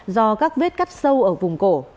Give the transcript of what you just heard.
do các vết cắt sâu ở vùng cổ